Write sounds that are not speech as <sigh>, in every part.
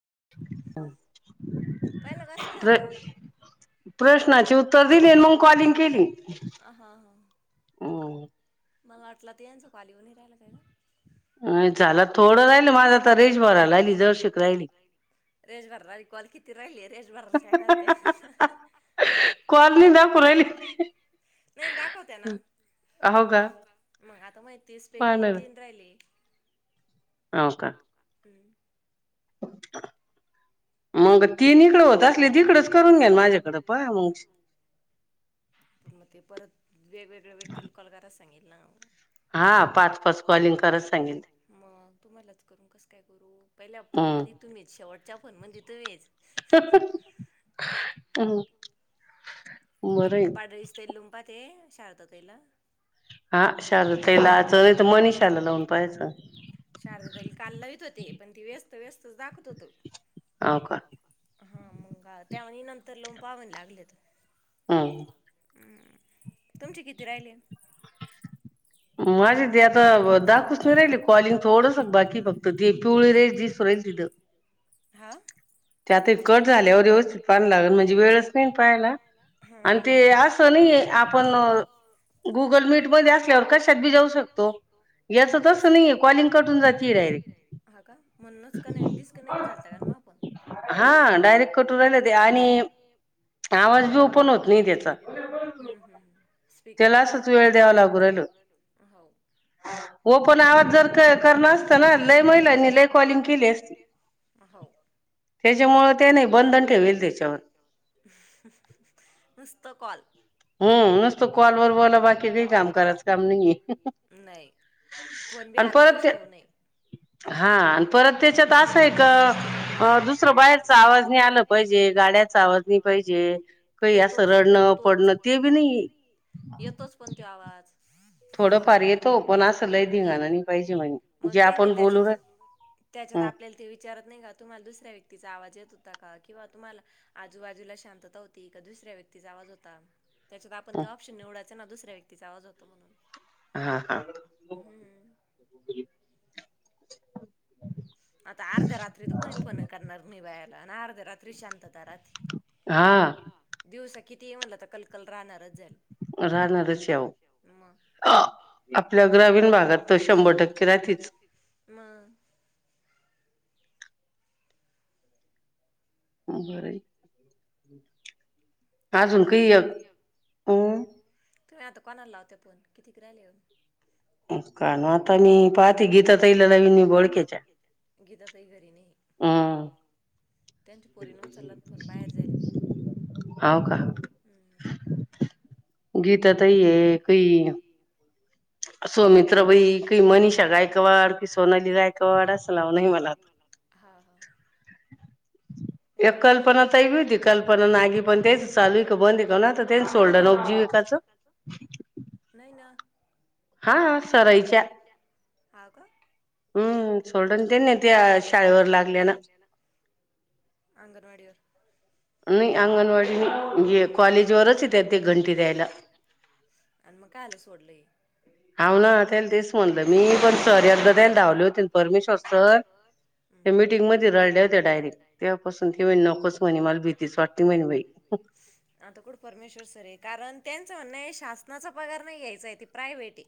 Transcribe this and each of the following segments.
हं पहिला कस झाल तूझ प्रश्नाचे उत्तर दिले म कॉलिंग केली अ हा हा मग वाटलं तर यायचो कालीवऊ ह राहिला काय ना झाला थोडं राहिल माझा तर रेशभरालाहि जाऊ शक राहि रेशभराला कॉल कि राहिलीये रेषभरच काय करतीये वाढली दाखवून राहिली, नाही दाखवते ना हो का मग आता माही तीस पैकी तीन राहिली. ओ का? मग तिन्हीकड होत असले तिकडंच करून घ्याल माझ्याकडं पण मग ते परत वेगवेगळ्या व्यक्तील कॉल करास बघितलाव हा पाच पाच कॉलिंग करायचय मग तुम्हालाच करून कस काय करू पहिल्या फोन मध्ये तुम्हीच शेवट ज्याफोन म्हणजे तव्हेच ताहम पडरीस तेल लुम्पा ते शारदा तईला शारदेला चवित मनिषाला जऊन भेट शारदेला काल लवीत होते पण ती व्यस्त व्यस्तच दाखवत होत हा मंगा त्याही नंतर लावून बावन्न लागलेत हो हम्म तुमचे किती राहिले? माझे ते आता दाखूच नाही राहिले कॉलिंग थोडस बाकी फक्त ती पिवळी रेष दिसू राहिल तिथं, ते आता हे कट झाल्यावर व्यवस्थित पाहण लागल म्हणजे वेळच नाही पाहायला आणि ते असं नाही आपण गुगल मीटमध्ये असल्यावर कसं हा का म्हणूनच कनेक्ट डिस्कनेक्ट झालता का मप आपण डायरेक्ट स्पीकर व हो ओपन आवाज जर करणार असत ना लय महिलानी ल कॉलिंग केली त्याच्यामुळे त्याने बंधन ठेवल त्याच्यावर. फक्त कॉल हम नुसत कॉलवर बोला बाकी काही काम करायच काम नाहीेयाय अन परत हा परत त्याच्यात असं आहे का दुसर बाहेरचा आवाज नाही आलं पाहिजे गाड्याचा आवाज नाही पाहिजे काही अस रडण, पडणं येतोच पण तो आवाज मग त्यांनी त्याच्यात त्याच्यात आपल्याला ते विचारत नाही का तुम्हाला दुसऱ्या व्यक्तीचा आवाज येत होता किंवा तुम्हाला आजूबाजूला शांतता होती का दुसऱ्या व्यक्तीचा आवाज होता. त्याच्यात आपण ते ऑप्शन निवडा त्यांना दुसऱ्या व्यक्तीचा आवाज होतो म्हणून हा हा आता अर्ध्या रात्री तर कोणी फोन करणार नाही बाहेर काय नाही अर्ध्या रात्री शांत दरात दिवसा कितीही म्हणलं तरी कलकल राहणारच हाय राहणारच हाय आहो आपल्या ग्रामीण भागात तर शंभर टक्के राहतीच मग बर आहे. तुम्ही आता कोणाला लावत तुम्ही आता कोणाला लावताय फोन किती क राहिले ओ आन आता मी पाहते गीता ताईला लावेन बोलुन घेते गीता ताई घरी नाही हा काय गीता ताई आहे कही सोमित्रबाई कि, मनीषा गायकवाड, कि सोनाली गायकवाड असं लावून मला. हा हा. एकदा बघून घायचं! आ एक कल्पनाताई होती. कल्पना नागी पण तेच चालू का बंद आहे का ना ते सोल्ड न उजीव नाही ना हा सरायच्या हा का? हम्म! सोडून दिले त्या शाळेवर लागल्यालं. नाही अंगणवाडी नाही कॉलेजवरच येत ते घंटी द्यायला. आणि मग काय आलं सोडलय. <inaudible> आता कुठ परमेश्वर सर आहे कारण त्यांचं म्हणनं आहे शासनाचा पगार नाही घ्यायचाय ते प्रायव्हेटी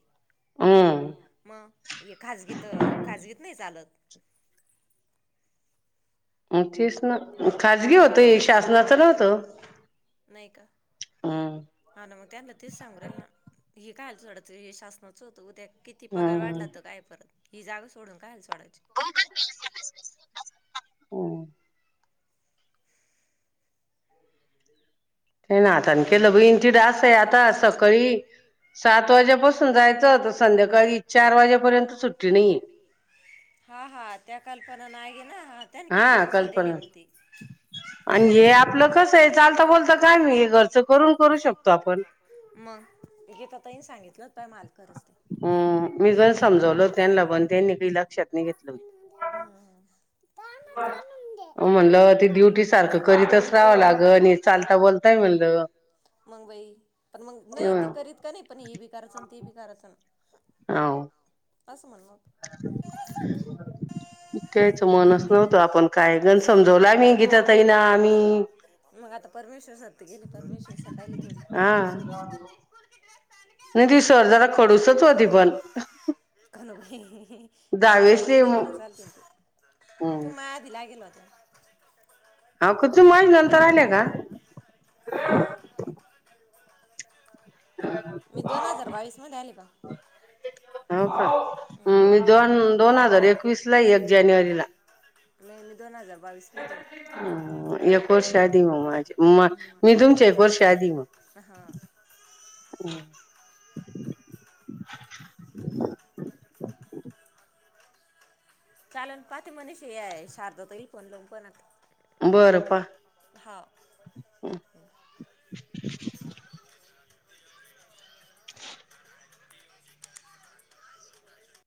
मग हे खाजगीत खाजगीत नाही चालत तच ना अति बाळूसरची नाही का हा ना मग त्यांना तेच सांगू राहिले ना हे कायलंडाच हे शासनाचं होतं उद्या किती पगार वाढला त काय परत ही जागा सोडून काय तोडायचे हो नाची लघंची डास आहे आता सकाळी सात वाजेपासून जायचं संध्याकाळी चार वाजेपर्यंत सुटी नाही हा हा त्या कल्पना नाहीे ना हा कल्पना आणि हे आपलं कसं आहे चालत बोलत काय मि मग गीता ताई सांगितलं होतं माल करच हम्म मी जण समजावलं हो त्यांना पण त्यांनी काही लक्षात नाही घेतलं हो अ म्हणलं ते ड्युटी सारखं करीतच राहावं लाग आणि चालता बोलता मग बाई पण मग नाही ते करीत का नाही, पण हे बी करायचं ते बी करायचं. हम ह अस त्यायच मनच नव्हतं आपण काय गण समजवलं मी गीता तई ना आम्ही ते परमिशन सकाळला ठेवली नाही ती सरजार खडूसच होती पण <inaudible> माल नवीन नवीन चालते त तू मा आधी लागेल होता ह कुच माई नंतर आल्या का <unintelligible> मी दोन हजार बावीस मध्ये आली बा हो का मी दोन दोन हजार एकवीस ला एक जाणेवारीला मे दोन हजार बावीस मध्ये ह एक वर्ष आधी मग माझे मी तुमच्या एक वर्ष आधी मग हो चाल पाात मणीस शारदा ताई येईल पण लो पण आता बरं प <inaudible> <inaudible>